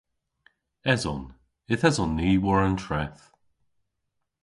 Eson. Yth eson ni war an treth.